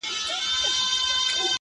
د ميني اوبه وبهېږي.